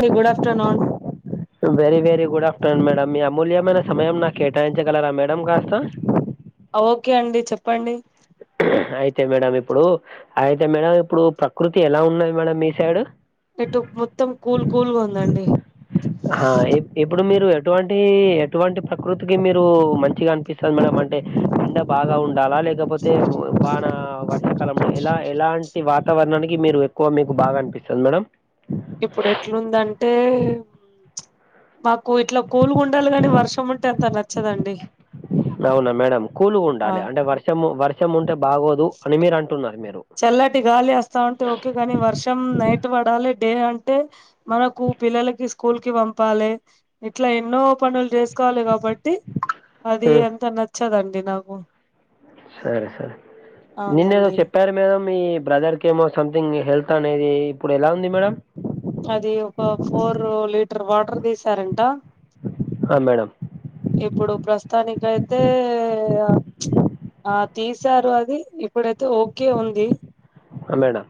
అండి good afternoon very very good afternoon madam. మీ అమూల్యమైన సమయం నాకు కేటాయించగలరా మేడం కాస్త? అ ఓకె అండి చెప్పండి. అయితే మేడం ఇప్పుడు అయితే మేడం ఇప్పుడు ప్రకృతి ఎలా ఉన్నది మేడం మీ సైడ్? ఇటు మొత్తం కూల్ కూల్గా ఉందండి. హ ఇప్పుడు మీరు ఎటువంటి ఎటువంటి ప్రకృతికి మీరు మంచిగా అనిపిస్ తది మేడమ్ అంటే ఎండ బాగా ఉండాల? లేకపోతే వాన అ వర్షాకాలంలో ఎలా ఎలాంటి వాతావరణానికి మీరు ఎక్కువ మీకు బాగా అనిపిస్తది మేడం? ఇప్పుడు ఎట్లుందంటే మాకు ఇట్ల కూలుగుండాల కాని, వర్షం ఉంటే అంత నచ్చదండి. అవునా మేడం ఆ కూలుగుండాలి అంటే వర్షము వర్షం ఉంటే బాగోదు అని మీరు అంటున్నారు మీరు. చల్లటి గాలి అస్తావుంటే ఓకె గాని వర్షం నైట్ పడాలి డే అంటే మనకు పిల్లలకి స్కూల్ కి పంపాలి ఇట్ల ఎన్నో పనులు చేసుకోవాలి కాబ టి అది ఉమ్, అంత నచ్చదండి నాకు. సరే సరే నిన్న ఏదో అవునండి చెప్పారు మేడం ఈ బ్రదర్ కి ఏమో సంథింగ్ హెల్త్ అనేది ఇప్పుడు ఎలా ఉంది మేడం? అది ఒక ఫోర్ లీటర్ వాటర్ తీసారంట ఆ మేడం ఇప్పుడు ప్రస్తుతానికి అయితే ఆ తీసారు అది ఇప్పుడైతే ఓకె ఉంది. ఆ మేడం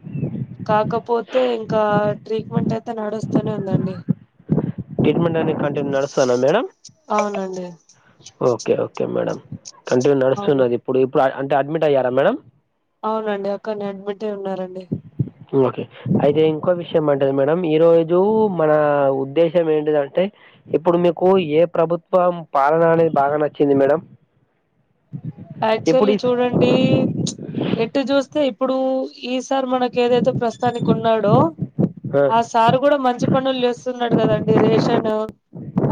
కాకపోతే ఇంకా ట్రీట్మెంట్ అయితే నడుస్తూనే ఉందండి. ట్రీట్మెంట్ అంటే కంటిన్యూ నడుస్తందా మేడమ్ అవునండి ఓకె ఓకె మేడం కంటిన్యూ అవును నడుస్తున్నది ఇప్పుడు. ఇప్పుడు అంటే అడ్మిట్ అయ్యారా మేడం? అవునండి అక్కన్నె అడ్మిట్ అయి ఉన్నారండి. ఓకే అయితే ఇంకో విషయం అంటది మేడం ఈరోజు మన ఉద్దేశం ఏంటిదంటే, ఇప్పుడు మీకు ఏ ప్రభుత్వం పాలన అనేది బాగా నచ్చింది మేడం? ఇప్పుడు యాక్చువల్లీ ఈ చూడండి, ఎటు చూస్తే ఇప్పుడు ఈసారి మనకి ఏదైతే ప్రస్తుతానికి ఉన్నాడో ఆ సారు కూడా మంచి పనులు చేస్తున్నాడు కదండి రేషన్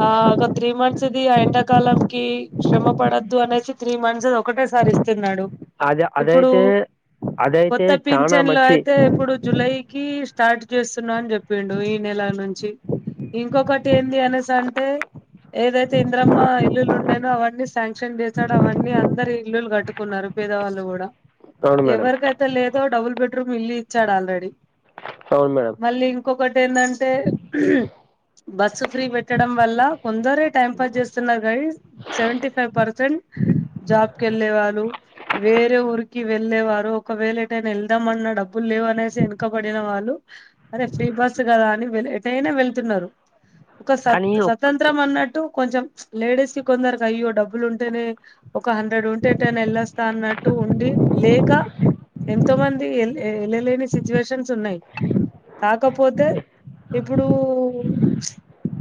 ఆ ఒక త్రీ మంత్స్ ఇది ఆ ఎండాకాలం కి శ్రమ పడద్దు అనేసి త్రీ మంత్ దు ఒకటే సారి ఇస్తున్నాడు అది ఇప్పుడు అదైతే అదైతే కొత్త చాలా పింఛన్ లో మంచి అయితే ఇప్పుడు జులై కి స్టార్ట్ చేస్తున్నా అని చెప్పిండు ఈ నెల నుంచి ఇంకొకటి ఏంది అనేస్ అంటే ఏదైతే ఇంద్రమ్మ ఇల్లులు ఉండేనో అవన్నీ శాంక్షన్ చేశాడు అవన్నీ అందరు ఇల్లులు కట్టుకున్నారు పేదవాళ్ళు కూడా అవును మేడం ఎవరికై లేదో డబుల్ బెడ్రూమ్ ఇల్లు ఇచ్చాడు ఆల్రెడీ అవును మేడమ్ మళ్ళీ ఇంకొకటి ఏందంటే బస్సు ఫ్రీ పెట్టడం వల్ల కొందరే టైం పాస్ చేస్తున్నారు కానీ సెవెంటీ ఫైవ్ పర్సెంట్ జాబ్కి వెళ్ళే వాళ్ళు వేరే ఊరికి వెళ్ళేవారు ఒకవేళ ఏటైనా వెళ్దాంమన్న డబ్బులు లేవ అనేసి వెనకబడిన వాళ్ళు అరే ఫ్రీ బస్సు కదా అని ఎటైనా వెళ్తున్నారు ఒక కానీ స్త్ ఒక్ స్వతంత్రం అన్నట్టు కొంచెం లేడీస్కి కొందరికి అయ్యో డబ్బులు ఉంటేనే ఒక హండ్రెడ్ ఉంటే ఎటైన వెళ్ళోస్తా అన్నట్టు ఉండి లేక ఎంతో మంది ఎ వెళ్ళలేని సిచ్యువేషన్స్ ఉన్నాయి కాకపోతే ఇప్పుడు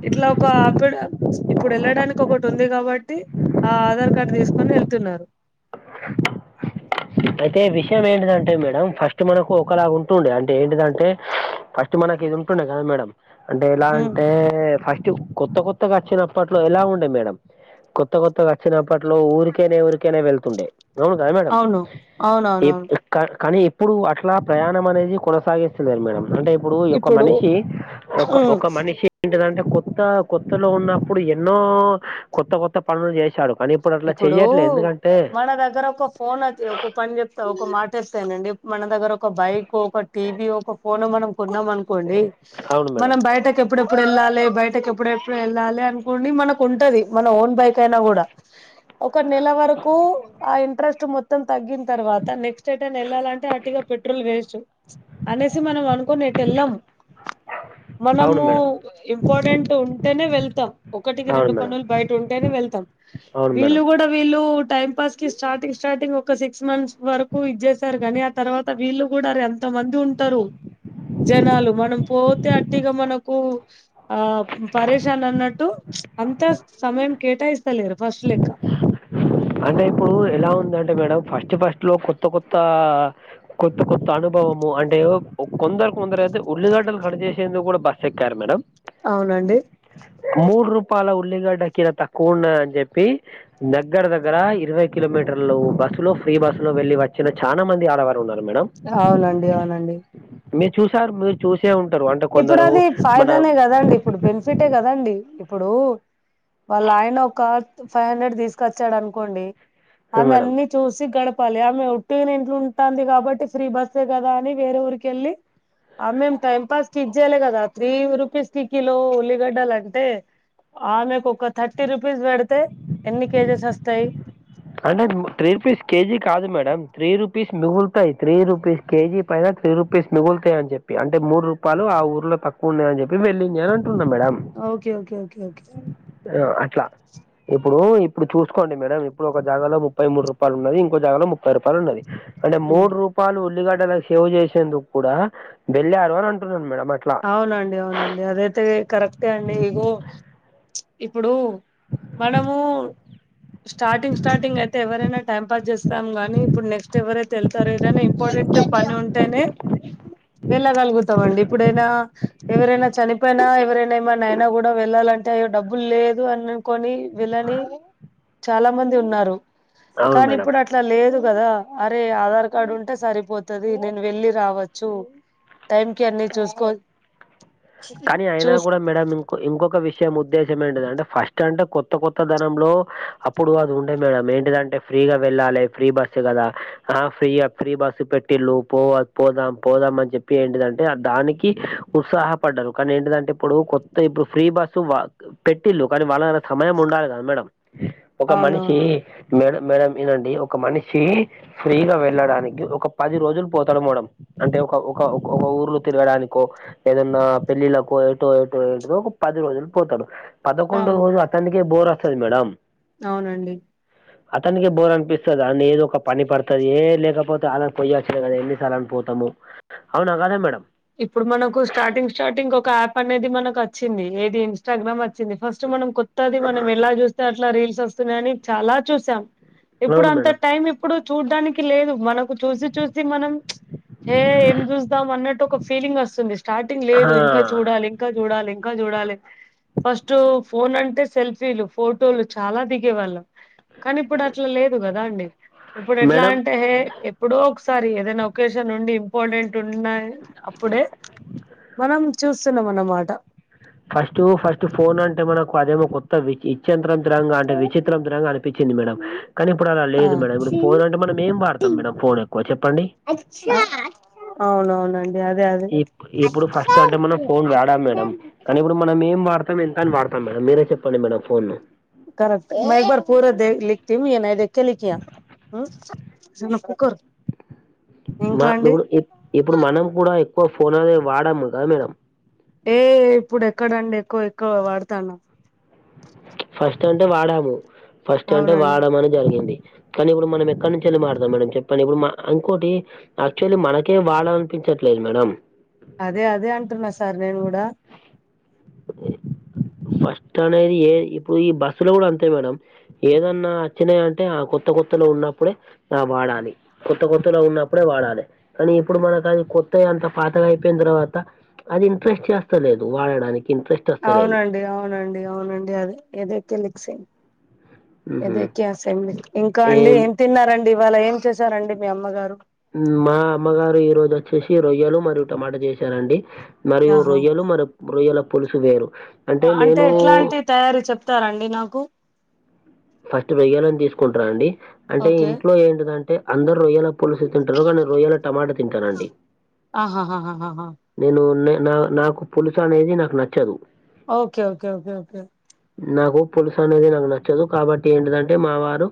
ఇట్లా ఒక ఆప్పుడ ఇప్పుడు వెళ్ళడానికి ఒకటి ఉంది కాబట్టి ఆ ఆధార్ కార్డ్ తీసుకు కొని వెళ్తున్నారు అయితే విషయం ఏంటిదంటే మేడం ఫస్ట్ మనకు ఒకలాగా ఉంటుండే అంటే ఏంటిదంటే ఫస్ట్ మనకి ఇది ఉంటుండే కద మేడం అంటే ఎలా ఉమ్ అంటే ఫస్ట్ కొత్త కొత్తగా వచ్చినప్పట్లో ఎలా ఉండేదు మేడం కొత్త కొత్త కొత్తగా వచ్చినప్పట్లో ఊరికనే ఊరికనే వెళ్తుండే అవునా కాదా అవును అవునవునవును కానీ ఇప్పుడు అట్లా ప్రయాణం అనేది కొనసాగిస్తున్నారు మేడం అంటే ఇప్పుడు ఒక మనిషి ఒక ఉమ్ ఒక మనిషి ఏంటిదంటే కొత్త కొత్తలో ఉన్నప్పుడు ఎన్నో కొత్త కొత్త పనులు చేసాడు ఇప్పుడు వాళ్ల దగ్గర ఒక ఫోన్చ్చ ఒక పని చెప్తా ఒక మాట తెస్తానండి మన దగ్గర ఒక బైక్ ఒక టీవీ ఒక ఫోన్ మనం కొన్నాం అనుకు ండి అవును మేడం మనం బయటక ఎప్పుడెప్పుడు వెళ్ళాలి బయటకి ఎప్పుడెప్పుడు వెళ్ళాలి అనుకుని మనకు ఉంటది మన ఓన్ బైక్ అయినా కూడా ఒక నెల వరకు ఆ ఇంట్రెస్ట్ మొత్తం తగ్గిన తర్వాత నెక్స్ట్ టని వెళ్ళాలంటే అటుగా పెట్రోల్ వేస్ట్ అనేసి మనం అనుకుని అటు వెళ్ళము మనము అవును మేడం ఇంపార్టెంట్ ఉంటేనే వెళ్తాం ఒకటికి అవును రెండు మేడం పనులు బయట ఉంటేనే వెళ్తాం అవును మేడం వీళ్ళు కూడా వీళ్ళు టైం పాస్ కి స్టార్టింగ్ స్టార్టింగ్ ఒక సిక్స్ మంత్స్ వరకు ఇదిచేసారు కానీ తర్వాత వీళ్ళు కూడా అరె ఎంత మంది ఉంటారు జనాలు మనం పోతే అట్టిగా మనకు ఆ పరేషాన్ అన్నట్టు అంతా సమయం కేటాయిస్తలేరు ఫస్ట్ లెక్క అంటే ఇప్పుడు ఎలా ఉందంటే మేడం ఫస్ట్ ఫస్ట్ లో కొత్త కొత్త కొత్త కొత్త అనుభవము అంటే కొందరు కొందరు ఉల్లిగడ్డలు కడ్చేసేందుకు కూడా బస్ ఎక్కారు మేడం అవునండి మూడు రూపాయల ఉల్లిగడ్డ కిడ తక్కువఉన్నయి అని చెప్పి దగ్గర దగ్గర దగ్గర ఇరవై కిలోమీటర్లు బస్సు లో ఫ్రీ బస్సు లో వెళ్ళి వచ్చిన చాలా మంది ఆడవారు ఉన్నారు మేడం అవునండి అవునండి మీరు చూసారు మీరు చూసే ఉంటారు అంటే ఇప్పుడు కొందరు అది మన ఫాయిదానే కదండి ఇప్పుడు బెనిఫిటే కదాండి ఇప్పుడు వాళ్ళ ఆయన ఒక ఫైవ్ హండ్రెడ్ తీసుకొచ్చాడు అనుకోండి ఆమె మేడం అన్ని చూసి గడపాలి ఆమె ఒట్టి ఇంట్లో ఉంటుంది కాబట్టి ఫ్రీ బస్సే కదా అని వేరే ఊరికెళ్ళి ఆ మేం టైం పాస్కిక్ చేయాలి కదా త్రీ రూపీస్ కి కిలో ఉల్లిగడ్డలుంటే ఆమెకు ఒక థర్టీ రూపీస్ పెడితే ఎన్ని కేజెస్ వస్తాయ్ అండ్రెడ్ త్రీ రుపీస్ కేజీ కాదు మేడం త్రీ రూపీస్ మిగులుతాయి త్రీ రూపీస్ కేజీ పైన త్రీ రూపీస్ మిగులుతాయ అని చెప్పి అంటే మూడు రూపాయ ఆ ఊర్లో [unintelligible] అని చెప్పి వెళ్ళ [unintelligible] అంటున్నా madam okay okay okay okay ఆ అట్ల ఇప్పుడు ఇప్పుడు చూసుకోండి మేడం ఇప్పుడు ఒక జాగాలో ముప్పై మూడు రూపాయలు ఉన్నది ఇంకో జాగా లో ముప్పై రూపాయలు ఉన్నది అంటే ఉమ్, మూడు రూపా [unintelligible] ఉల్లిగడ్డలా సేవ్ చేసేందుకు కూడ వెళ్ళారు అని అంటున్నాను మేడం అట్లా అవునండి అవునండి అదైతే కరెక్టే అండి ఇగో ఇప్పుడు మనము స్టార్టింగ్ స్టార్టింగ్ అయితే ఎవరైనా టైం పాస్ చేస్తాం గానీ ఇప్పుడు నెక్స్ట్ ఎవరైతే వెళ్తా [unintelligible] ఇంపార్టెంట్ పని ఉంటేనే వెళ్ళగలుగుతాం అండి ఇప్పుడైనా ఎవరైనా చనిపోయినా ఎవరైనా ఏమైనా అయినా కూడా వెళ్ళాలంటే అయ్యో డబ్బులు లేదు అని కోని వెళ్ళని చాల మంది ఉన్నారు అవును కానీ మేడం ఇప్పుడు అ అట్ల లేదు కదా అరే ఆధార్ కార్డు ఉంటే సరిపోతాది నేను వెళ్లి రావచ్చు టైం కి అన్నీ చూసుకో కానీ అయినా చూస్ కూడ మేడం ఇంకొక విషయం ఉద్దేశం ఏంటిదింటే ఫస్ట్ అంటే కొత్త కొత్త ధనం లో అప్పుడు అది ఉండే మేడం ఏంటిదంటే ఫ్రీగా వెళ్ళాలి ఫ్రీ బస్సు కదా ఫ్రీ ఫ్రీ బస్సు పెట్ లు పో పోదాం పోదాం అని చెప్పి ఏంటిడాంటే దానికి ఉత్సాహ పడ్డారు కానీ ఏంటిదంటే ఇప్పుడు కొత్త ఇప్పుడు ఫ్రీ బస్సు పెట్టిల్ళు కానీ వాళ్ళ సమయం ఉండాలి కదా మేడం ఒక మనిషి అవునవును మేడం మేడం ఇనండి ఒక మనిషి ఫ్రీగా వెళ్ళడానికి ఒక పది రోజులు పోతాడు మేడం అంటే ఒక ఒక ఒక ఊర్లో తిరగడానికో ఏదన్న పెళ్ళిళ్ళకు ఏటో ఏటో ఏటో ఒక పది రోజులు పోతాడు పదకొండో అవును రోజు [unintelligible] బోర్ వస్తది మేడం అవునండి అతనికే బోర్ అనిపిస్తద అని ఏదో ఒక పని పడుతది ఏ లేకపోతే అల్లాడ పోయి వచ్చదు కదా ఎన్నిసార్లు అని పోతాము అవునా [unintelligible] మేడమ్ ఇప్పుడు మనకు స్టార్టింగ్ స్టార్టింగ్ ఒక యాప్ అనేది మనకు వచ్చింది ఏది ఇన్స్టాగ్రామ్ వచ్చింది ఫస్ట్ మనం ఉంటాది మనం ఎలా చూస్తే అట్లా రీల్స్ వస్తున్నాయని చాల చూసాం ఇప్పుడు అవును అంత మేడం టైమ్ ఇప్పుడు చూడ్డానికి లేదు మనకు చూసి చూసి మనం చే ఏం చూస్తాం అన్నట్టు ఒక ఫీలింగ్ వస్తుంది స్టార్టింగ్ ఆ లేదు ఇంకా చూడాలే ఇంకా చూడాలే ఇంకా చూడాలి ఫస్ట్ ఫోన్ అంటే సెల్ఫీలు ఫోటోలు చాల దిగే వాళ్ళం కానీ ఇప్పుడు అట్లా లేదు కదా అండి ఇప్పుడు ఎట్లా అ మేడం అంటే ఎప్పుడో ఒకసారి ఏదైనా ఒక్కేషన్ ఉండి ఇంపార్టెంట్ ఉన్నాయి అంటే మనం చూస్ [unintelligible] మాట ఫస్ట్ ఫస్ట్ ఫోన్ అంటే మనకు అదేమో కొ ఇచ్యంత్రం దరంగా అంటే విచిత్రం దరంగా అనిపించింది మేడం కానీ ఇప్పుడు అలా ఆ లేదు మేడం ఇప్పుడు ఫోన్ అంటే మనం ఏం వాడతాం మేడమ్ ఫోన్ ఎక్కువ చెప్పండి అవునవునం ఈప్ ఇప్పుడు ఫస్ట్ అంటే మనం ఫోన్ గాడా మేడం కనీ ఇప్పుడు మనం ఏం వాడతాం ఎంతన్ వాడతాం మేడం మీరే చెప్పండి మేడం ఫోన్ కరెక్ట్ ఏ మై బర్ పూర దే లిక్తియ్ ఎ మై దేఖ్ తే లిఖియ ఉ జిన కూకర్ మ మిప్పుడు ఇప్ ఇప్పుడు మనం కూడా ఎక్కువ ఫోన్ అనే వాడము క మేడం ఏ ఇప్పుడ్ ఎక్కడండి ఎక్కువ ఎక్కువ వాడుతాన్నా ఫస్ట్ అంటే వాడాము ఫస్ట్ అంటే అవునండి వాడమని జరిగింది కనీప్పుడు మనం ఎక్కడ్ నుంచెల్ మాడత మేడం చెప్పండి ఇప్పుడు మ ఇంకోటి ఆక్చువల్లీ మనకే వాడ్ అనిపించట్లేదు మేడం అదే అదే అంటున్నా సార్ నేను ఉడా ఫస్ట్ అనేది ఏ ఇప్పుడు ఈ బస్సులో గూడ్ అంతే మేడం ఏదన్నా అచ్చినాయింటే ఆ కొత్త కొత్తలో ఉన్నప్పుడే ఆ వాడాలి కొత్త కొతులో ఉన్నప్పుడే వాడాలె కానీ ఇప్పుడు మనకవి కొత్తయ్ అంత పాతగయిపోయిన్ తర్వాత అది ఇంప్రెస్ చేస్తలేదు వాడడానికి ఇంట్రెస్ట్ వస్తలేదు అవునండి అవునండి అవునండి అదే ఏదైతే లిక్సే మ్హూ. ఏదే క్య అసెంలీ ఇంకా అండి ఏం తిన్నారండి ఇవాళ ఏం చేశారండి మీ అమ్మగారు ఉమ్మా అమ్మగారు ఈ రోజ్ ఒచ్చేశి రొయ్యలు మరియు టమాటా చేశారండి మరియు ఆహా రొయ్యలు మరం రొయ్యల పులుసు వేరు అంటే నేను తయారీ చెప్తారండి నాకు ఫస్ట్ వెయ్యాలన్ తీసుకుంటరాండి అంటే ఓకే ఇంట్లో ఏంటిదన్ అంటే అందర్ రొయ్యలా పులుసు తింటారు కానీ రొయ్యేలా టమాటా తింటానండి ఆహాహాహహ నేను నె నా నాకు పులుసనేది నాకు నచ్చదు ఓకే ఓకే ఓకే ఓకే నాకు పులుసనేది నాకు నచ్చదు కాబట్టి ఏంటిదంటే మా వారు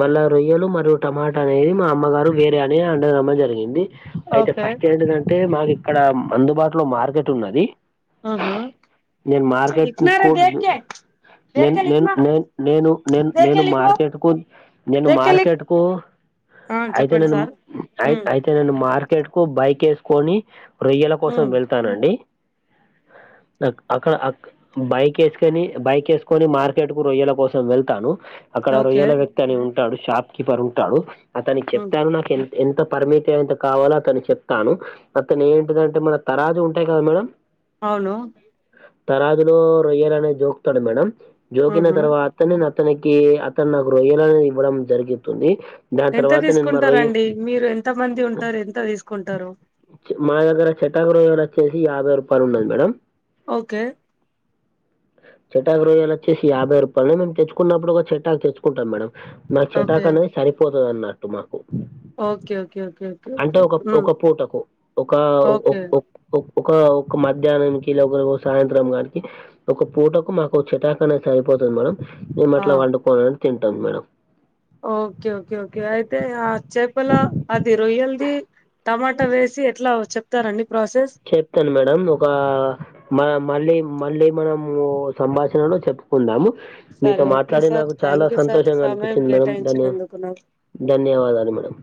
మళ్ళా రొయ్యలు మరూ టమాటా అనేది మా అమ్మగారు వేరే అని అండడమ్మ జరిగింది అయితే ఫస్ట్ ఏంటి దంటే మాక్ ఇక్కడం అందుబాటులో మార్కెట్ ఉన్నది నేన్ మార్కెట్ క్ కూడ్ నేన్ నేన్ నేన్ నేను నేన్ నేను మార్కెట్ కున్ నేను లిక్ మార్కెట్ కు ఆ అయితే చెప్పండి నేనుం సార్ ఐత్ ఉమ్ ఐత్ తె నేను మార్కెట్ కు బైకేసుకొని రొయ్యల కోసం ఉమ్ వెళ్తానండి నక్ అక్కడ అక్ బైక్ ఏసుకని బైక్ ఏసుకొని మార్కెట్ కు రొయ్యల కోసం వెళ్తాను అక్కడ ఓకే రొయ్యల వ్యక్తి అని ఉంటాడు షాప్కీపర్ ఉంటాడు అతనిక్ ఉమ్ చెప్తారు నాకెన్ ఎంత పరిమితి ఎంత్ కావాలో అతని చెప్తాను అతనేంట్ టి దంటే మన తరాజు ఉంటాయి కద మేడం అవును తరాదులో రొయ్యాలనే జోకుతాడు మేడం జోకిన ఉహు తర్వాత్ తనేే నతనికి అతన్ నాకు రొయ్యాలనే ఇవ్వడం జరుగితుంది ఎంత తీసుకుంటారండి మీరు ఎంత మంది ఉంటారు ఎంత తీసుకుంటారు మా దగ్గర చెట్టాకు రొయ్యలోచ్చేసి యాభై రూపాలు ఉన్నది మేడమ్ ఓకే చెటాకు రొయ్యలు వచ్చేసి యాభై రూపాయలు మే తెచ్చకుప్పుడు ఒక చెట్టాకు తెచ్చుకుంటాం మేడం నాక్ ఓకే చెటాక్ అనేది సరిపోతది అన్నట్టు మాకు ఓకే ఓకే ఓకే ఓకే అంటే ఓకే ఒక పూ ఉమ్ ఒక పూటకు ఒక ఓకే ఓక్ ఓక్ ఒక ఒక మధ్యాహ్నాంనికి లే ఒక సాయంత్రం గాని ఒక పూటకు మాకు చేటాకు అనేది సరిపోతుంది మేడం మేము ఆ అట్లా వండుకోనీ తింటాం మేడం ఓకే ఓకే ఓకే అయితే ఆ చేపల అది రొయ్యల్ది టమాటా వేసి ఎట్లా చెప్తారండి ప్రాసెస్ చెప్తాను మేడం ఒక మ మళ్ళీ మళ్ళీ మనము సంభాషణలో చెప్పుకుందాము సరే మీతో ఓకే మాట్లాడి సార్ నాకు చాలా థ్యాంక్ యూ సార్ సంతోషంగా సమయం అనిపించింది మేడం ధన్యవా కేటాయించినందుకు నాకు ధన్యవాదాలు మేడం